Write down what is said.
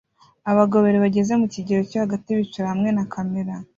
Abagabo babiri bageze mu kigero cyo hagati bicara hamwe na kamera